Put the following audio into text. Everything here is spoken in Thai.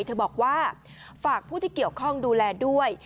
เธอบอกว่าฝากผู้ที่เกี่ยวข้องดูแลด้วย